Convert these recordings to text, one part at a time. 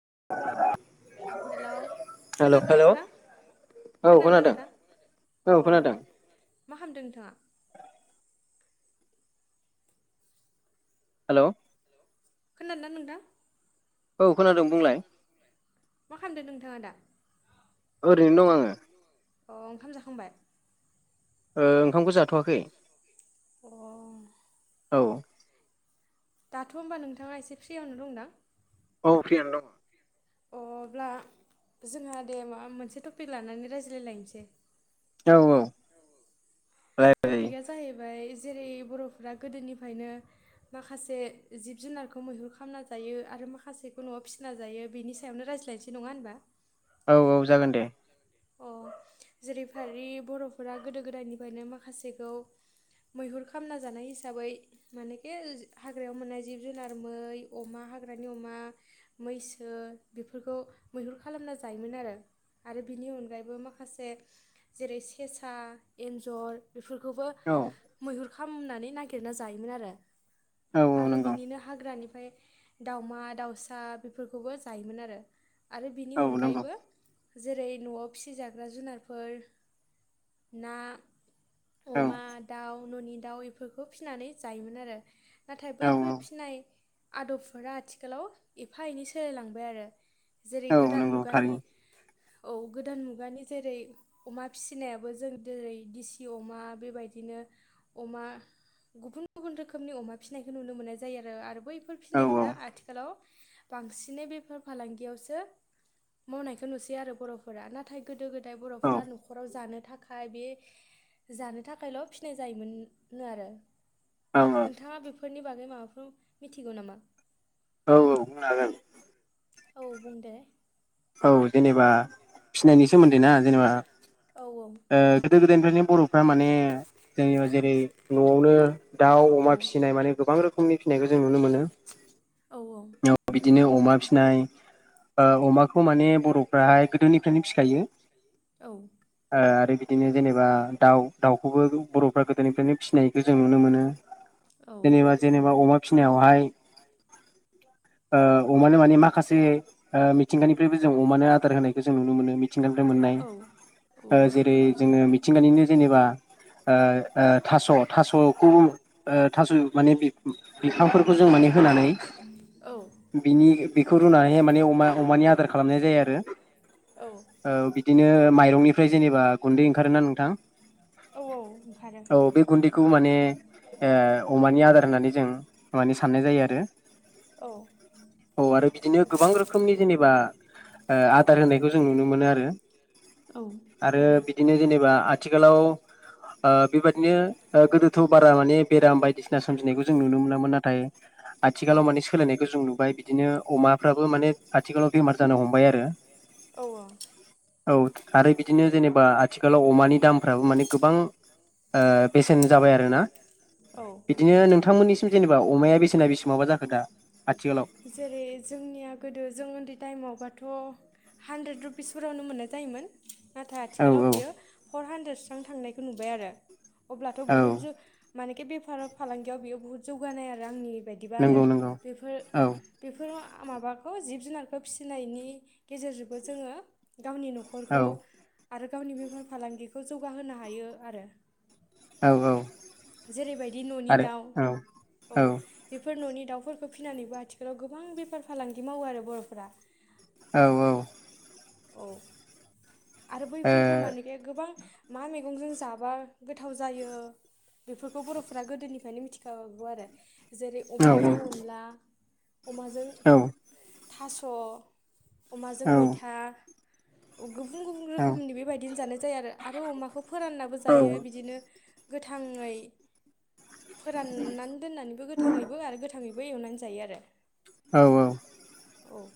[unintelligible] Hello खोनादों नोंथां खोनादोंना नोंथां अ मा खालामदों नोंथाङा हेलौ खोनादोंना नोंथां [inaudible] मा खालामदों नोंथाङा दा ओरैनो दं आंङो अ ओंखाम जाखांबाय ओंखामखौ जाथवाखै अ औ दाथ' होमबा नोंथाङा एसे फ्रिआवनो दंदां औ फ्रियावनो दंङ अब्ला जोंहा दे मा मोनसे टपिक लानानै रायज्लायलायनोसै औ औ टपिकआ जाहैबाय जेरै बर'फ्रा गोदोनिफ्रायनो माखासे जिब जुनारखौ मैहुर खालामना जायो आरो माखासेखौ न'आव फिसिना जायो बिनि सायावनो रायज्लाय रायस्लायसै नङा होनबा औ औ जागोन दे अ जेरै फारि बर'फोरा गोदो गोदायनिफ्रायनो माखासेखौ मैहुर खामना जानाय हिसाबै माने बे हाग्रायाव मोननाय जिब जुनार मै, अमा, हाग्रानि अमा मैसो बेफोरखौ मैहुर खालामना जायोमोन आरो आरो बिनि अनगायैबो माखासे जेरै सेसा एन्जर बेफोरखौबो मैहुर खालामनानै नागिरना जायोमोन आरो आरो बिनिनो हाग्रानि ओमफ्राय दाउमा दाउसा बेफोरखौबो जायोमोन आरो आरो बिनि अनगायैबो जेरै न'आव फिसिजाग्रा जुनारफोर ना अमा दाउ न'नि दाउ बेफोरखौ फिनानै जायोमोन आरो नाथाय बैफोर फिसिनाय आदबफोरा आथिखालाव एफा एनै सोलायलांबाय आरो जेरै गोदान मुगानि औ गोदान मुगानि जेरै अमा फिसिनायाबो जों जेरै दिसि अमा बेबायदि बिदिनो अमा गुबुन गुबुन रोखोमनि अमा फिसिनायखौ नुनो मोननाय जायो आरो बै बेफोर फिनायफोरा आथिखालाव बांसिनै बेफोर फालांगियावसो मावनायखौ नुसै आरो बर'फोरा नाथाय गोदो गोदाय बर'फोरा न'खराव जानो थाखाय बे जानो थाखायल' फिनाय जायोमोन आरो नोंथाङा बेफोरनि बागै माबाफोर मिथिगौ नामा औ औ बुंनोहागोन औ बुं दे औ जेनेबा फिनायनि सोमोन्दै ना जेनेबा ओ गोदो गोदायनिफ्रायनो बर'फ्रा माने जेनबा जेरै न'आवनो दाउ अमा फिसिनाय माने गोबां रोखोमनि फिनाय नुनो मोनो बिदिनो अमा फिसिनाय ओ अमा खौ माने बर'फ्राहाय गोदोनिफ्रायनो फिखायो औ आरो बिदिनो जेनेबा दाउ दाउखौबो बर'फ्रा गोदोनिफ्रायनो फिसिनायखौ जों नुनो मोनो जेनेबा जेनेबा अमा फिनायावहाय ओ अमानो माने माखासे बिनिफ्रायबो जों अमानो आदार होनायखौ जों नुनो मोनो मिथिंगानिफ्राय मोननाय जेरै जोङो मिथिंगानिनो जेनेबा ओ थास'थास'खौ थास' माने बिफांफोरखौ जों माने होनानै बिनि बेखौ रुनानैहाय माने अमानि आदार खालामनाय जायो आरो औ बिदिनो माइरंनिफ्राय जेनेबा गुन्दै ओंखारोना नोंथां औ बे गुन्दैखौ माने ओ अमानि आदार होननानै जों माने साननाय जायो आरो औ आरो बिदिनो गोबां रोखोम नि जेनेबा ओ आदार होननायखौ जों नुनो मोनो आरो आरो बिदिनो जेनेबा आथिखालाव ओ बेबादिनो गोदोथ' बारा माने बेराम बायदि सोमजिनायखौ नुनो मोनामोन नाथाय आथिखालाव माने सोलायनायखौ जों नुबाय बिदिनो अमाफ्राबो माने आथिखालाव बेमार जानो हमबाय आरो। औ आरो बिदिनो जेनेबा आथिखालाव अमानि दामफ्राबो माने गोबां। ओ बेसेन जाबाय आरोना। बिदिनो नोंथांमोननिसिम जेनेबा अमाया बेसेना बेसेबांबा जाखो दा आथिखालाव? बे जोंनिया गो जों उन्दै टाइमावबाथ' हानद्रेद रुपिसफोरावनो मोननाय जायोमोन। नाथाय आथिखालाव बियो फर हान्द्रेदस्रां थांनायखौ नुबाय आरो अब्लाथ' बुहुत जों मानेकि बेफार फालांगियाव बेयो बुहुत जौगानाय आरो आंनि बायदिबा आरो बेफोर बेफोराव माबाखौ जिब जुनारखौ फिसिनायनि गेजेरजोंबो जोङो गावनि न'खरखौ आरो गावनि बेफार फालांगिखौ जौगाहोनो हायो आरो। औ औ। जेरैबायदि न'नि दाउ औ बेफोर न'नि दाउफोरखौ फिनानैबो आथिखालाव गोबां बेफार फालांगि मावो आरो बर'फोरा। औ औ। औ आरो बैफोरखौ माने गोबां मा मैगंजों जाबागोथाव जायो बेफोरखौ बर'फ्रा गोदोनिफ्रायनो मिथिखागौ आरो जेरै अमाजों अनला। अमाजों थास' अमाजों मैथा। गुबुन गुबुन रोखोमनि बेबायदिनो जानाय जायो आरो अमाखौ फोराननबो जायो बिदिनो गोथाङै फोराननानै दोननानैबो गोथाङैबो आरो गोथाङै बो एवनानै जायो आरो। औ औ। औ।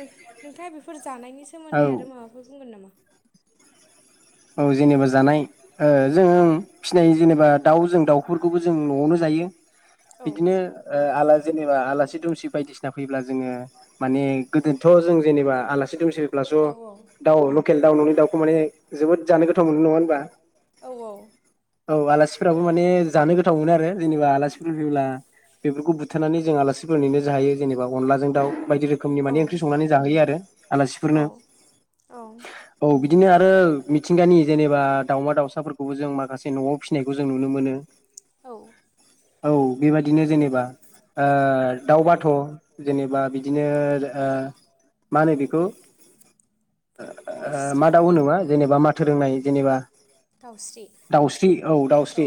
नो-नोंथाङा बेफोर जानायनि सोमोन्दै आरो माबाफोर बुंगोन नामा? औ जेनेबा जानाय ओ जों फिनाय जेनेबा दाउ जों दाउफोरखौबो जों न'आवनो जा यो बिदिनो ओ आला जेनेबा आलासि दुमसि बायदि जा फैब्ला जोङो माने गोदो थ' जों जेनेबा आलासि दुमसि फैल्बा स दाउ लकेल दाउ न'नि दाउखौ माने जोबोद जानो गोथाव मोनो नङा होनबा? औ आलासिफोराबो माने जानो गोथाव मोनो आरो जेनेबा आलासिफोर फैयोब्ला बेफोरखौ बुथारनानै जों आलासिफोरनिनो जाहायो जेनेबा अनलाजों दाउ बायदि रोखोमनि माने ओंख्रि संनानै जा जाहोयो आरो आलासिफोरनो औ बिदिनो आरो मिथिंगानि जेनेबा दाउमा दाउसाफोरखौबो जों माखासे न'आव फिसिनायखौ जों नुनो मोनो। औ बेबायदिनो जेनेबा ओ दाउ बाथ' जेनेबा बिदिनो ओ मा होनो बेखौ ओ मा दाउ होनोबा। जेनेबा माथो रोंनाय जेनेबा दाउस्रि औ दाउस्रि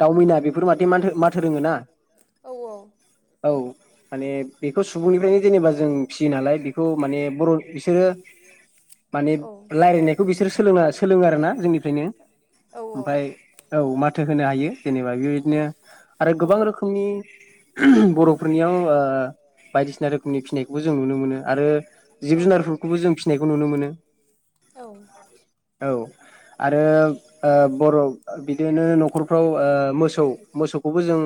दाउमैना बेफोर [unintelligible] माथोरोङो ना। औ माने बेखौ सुबुंनिफ्रायनो जेनेबा जों फिसियो नालाय बेखौ माने बर' बिसोरो माने रायलायनायखौ बे सोर सोलोंना सोलोङो आरोना जोंनिफ्रायनो ओमफ्राय औ माथो होनो हायो जेनेबा बेबाय दिनो आरो गोबां रोखोमनि बर'फोरनियाव ओ बायदिसिना रोखोमनि फिनायखौबो जों नुनो मोनो आरो जिब जुनारफोरखौबो जों फिनायखौ नुनो मोनो। औ। औ आरो ओ बर'फ बिदिनो न'खरफ्राव ओ मोसौ मोसौखौबो जों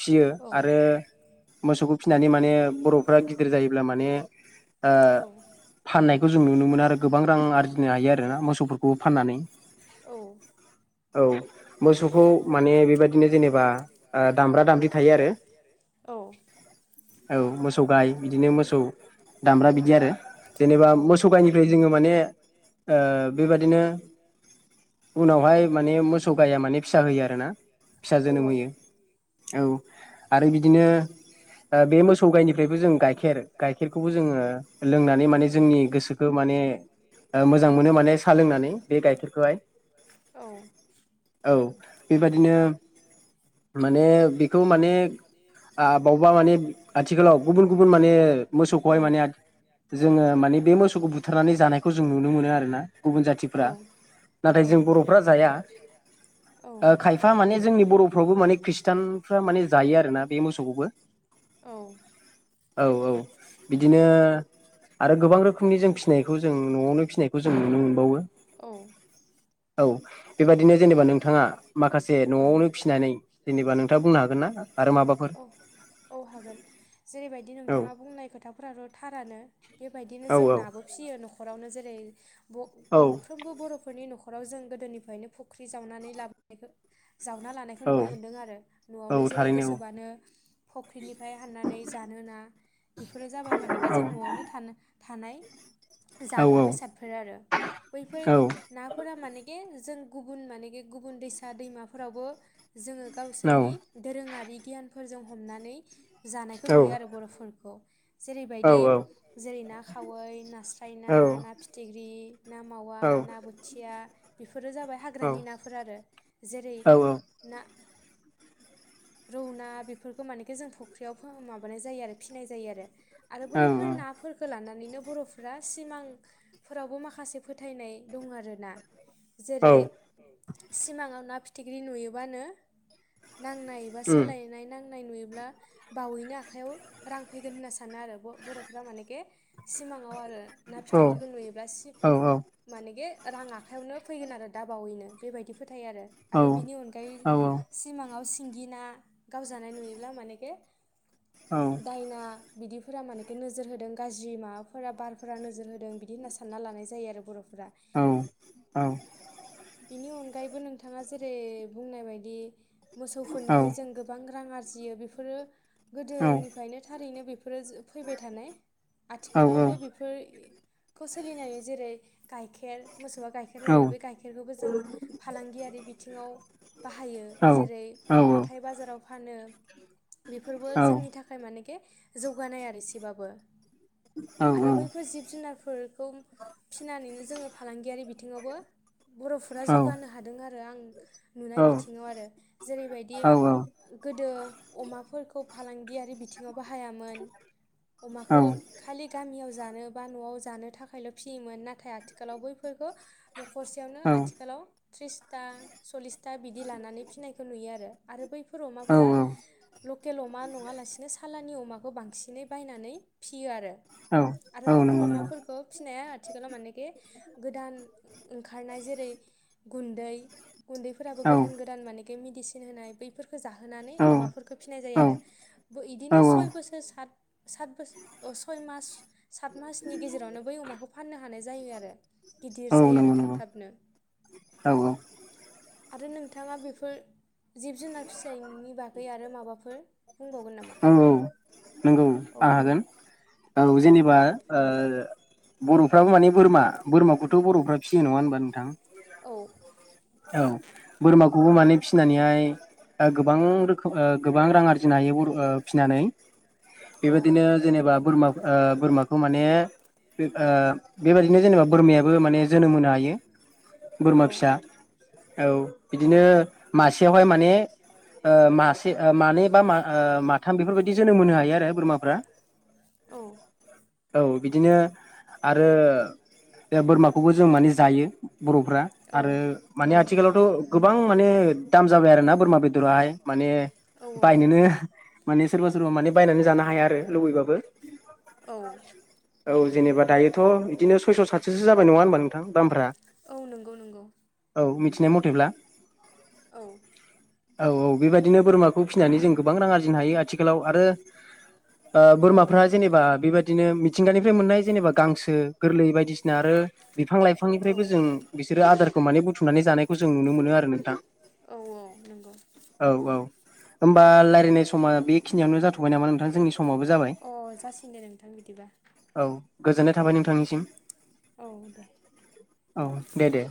फियो। आरो मोसौखौ फिनानै माने बर'फोरा गिदिर जायोब्ला माने ओ फाननायखौ जों नुनो मोनो आरो गोबां रां आरजिनो हायो आरो मो सौफोरखौ फाननानै। औ मोसौखौ माने बेबायदिनो जेनेबा आ दामब्रा दामब्रि थायो आरो। औ मोसौ गाय बिदिनो मोसौ दामब्रा बिदि आरो जेनेबा मोसौ गाइनिफ्राय जोङो माने ओ बेबादिनो उनावहाय माने मोसौ सौ गाया माने फिसा होयो आरोना फिसा जोनोम होयो औ आरो बिदिनो ओ बे मोसौ गायनिफ्रायबो जों गाइखेर गाइखेरखौबो जोङो लोंनानै माने जोंनि गोसोखौ माने माने ओ मोजां मोनो‌‌ माने सा लोंनानै बे गाइखेरखौहाय औ बेबायदिनो माने बेखौ माने आ‌ बावबा माने आथिखालाव गुबुन गुबुन माने मोसौखौहाय माने आथि जोङो माने बे मोसौखौ बुथारनानै जानायखौ जों नुनो मोनो आरोना गुबुन जाथिफ्रा नाथाय जों बरफ्रा जाया ओ खायफा माने जोंनि बरफ्रावबो माने खृष्टानफ्रा माने जायो आरोना बे मोसौखौबो औ औ औ बिदिनो आरो गोबां रोखोमनि जों फिसिनायखौ जों नआवनो फिसिनायखौ जों नुनो मोनो औ बेबायदिनो जेनेबा नोंथाङा माखासे नआवनो फिसिनानै जेनेबा नोंथाङा बुंनो हागोन ना आरो माबा बाफोर औ हागोन जेरैबायदि नोंथाङा बुंनाय खोथाफोराथ थारानो बेबायदिनो जों नाबो फि फिसियो नखरावनो जेरै बं गंफ्रोमबो बरफोरनि नखराव जों गोदोनिफ्रायनो फ्रायनो फुख्रि जावनानै लाबोनायखौ नुनो जावना लानायखौ नुनो मोन्दों आरो नआवनो जेरै गोसोबानो फख्रिनिफ्राय हाननानै जानो ना बेफोरो जाबाय मानेखे जों नआवनो थाना थानाय जाग्रा बेसादफोर आरो बैफोर नाफोरा मानेखे जों गुबुन मानेखि गुबुन दैसा दैमाफोरावबो जोङो गावसोरनि दोरोङारि गियानफोरजों हमनानै जानायखौ नुयो आरो बरफोरखौ जेरैबायदि जेरै ना खावै नास्राय ना ना फिथिख्रि ना मावा ना बोथिया बेफोरो जाबाय हाग्रानि नाफोर आरो जेरै ना रौना बेफोरखौ मानेखो जों फुख्रियाव फो माबानाय जायो आरो फिसिनाय जायो आरो आरो बैफोर नाफोरखो लानानैनो नो बरफ्रा सिमांफोरावबो माखासे फोथायनाय दं आरोना जेरै सिमाङाव ना फिथिख्रि नुयोबानो नांनाय एबा सोलायनाय नां नाय नुयोब्ला बावैनो आखाइयाव रां फैगोन होनना सानो आरो बरफ्रा मानेके सिमाङाव आरो ना फिथिख्रिखौ नुयोब्ला सि मानेके रां आखयावनो फैगोन आरो दाबावैनो बेबायदि फोथायो आरो आरो बेनि अनगायै सिमाङाव सिंगि ना गावजानाय नुयोब्ला मानेखे दायना बिदिफोरा मानेखि नोजोर होदों गाज्रि माबाफोरा बारफोरा नोजोर होदों बिदि होनना सानना लानाय जायो आरो बरफो औ औ नि अनगायैबो नोंथाङा जेरै बुंनाय बायदि मोसौफोरनिफ्राय जों गोबां रां आरजिनो जियो बेफोरो गोदोनिफ्रायनो थारैनो बेफोर बेफोरो जो फैबाय थानाय आथिखालावबो बेफोरखो सोलिनाय जेरै गाइखेर मोसौआ गाइखेर होयो बे गाइखेर बेखो जों फालांगियारि बिथिङाव बाहायो जेरै हाथाय बाजाराव फान नो बेफोरबो जोंनि थाखाय मानेखे जौगानाय आरो एसेबाबो आरो बैफोर जिब जुनारफोरखौ फिसिनानैनो जों जोङो फालांगियारि बिथिङावबो बर'फोरा जौगानो हादों आरो आं नुनाय बिथिङाव आरो जेरैबायदि गोदो अमाफोरखौ फालांगियारि बिथिङाव बाहायामोन अमाखौ खालि गामियाव जानो बा न'आव जानो थाखायल' फियोन नाथाय आथिालाव बेफोरखौ न'खर खाथियावनो आथिखालाव त्रिसथा सललिसथा बिदि लानानै फिसिनायखौ नुयो आरो बै फोर अमाफोरा ल लकेल अमा नङा लासिनो सालानि अमाखौ बांसिनै बायनानै फियो आरो। आरो बैफोर अमाफोरखौ फिसिनाया आथिखालाव मानेखि गोदान ओंखारनाय जेरै गुैन्दै गुन्दैफोराबो गोदान गोदान माने मेदिसिन होनाय बैफोरखौ खौ जाहोनानै अमाफोरखौ फिसिनाय जायो आरो इदिनो सय बोसोर सात सत बोसोर सय मास सात मासनि गेजेरावनो बै अमाखौ फाननो हानाय जायो आरो। गिदिर जायो आरो थाब थाबनो आरो नोंथाङा बेफोर जिब जुनार फिसिनि बागै आरो माबाफोर बुंबावगोन नामा? आं हागोन औ जेनेबा बर' एफाबो माने बोरमा बोरमाखौथ' बर'फ्रा फिसियो नङा होनबा नोंथां औ। बोरमाखौबो माने फिसिनानैहाय गोबां रोखोम ओ गोबां रां आरजिनो हायो बरफोर ओ फिसिनानै बेबायदिनो जेनेबा बोरमा ओ बोरमाखौ माने बे ओ बायदिय बिदिनो जेनेबा बोरमायाबो माने जोनोम होनो हायो, बोरमा फिसा। औ बिदिनो मासेयावहाय माने ओ मासे ओ मानै बा ओ माथाम बेफोरबायदि जोनोम होनो हायो आरो बोरमा। फ्रा औबिदिनो आरो बे बोरमाखौबो जों माने जायो बर'फ्रा आरो माने आथिखालावथ' गोबां माने दाम जाबाय आरो ना बोरमा बेदराहाय माने बायनोनो माने सोरबा सोरबा माने बायनानै जानो हाया। बयबाबो ओ जेनेबा दायोथ' बिदिनो सयस' सातस'सो जाबाय नङा होनबा नोंथां दामफ्रा। औ मिथिनाय मथेब्ला। औ औ औ बेबायदिनो बोरमाखौ फिसिनानै जों गोबां रां आरजिनो हायो आथिखालाव आरो। ओ बोरमाफ्रा जेनेबा बेबायदिनो मिथिंगानिफ्राय मोननाय जेनेबा गांसो गोरलै बायदिसिना आरो। बिफां लाइफांनिफ्रायबो जों बिसोरो आदारखौ माने बुथुमनानै जानायखौ जों नुनो मोनो आरो नोंथां। औ औ नंगौ। बा रायलायनाय सम बेखनियावनो जाथ'बाय नामा नोंथां जोंनि स समावबो जाबाय, औ गोजोननाय थाबाय नोंथांनिसिम। औ दे औ दे दे।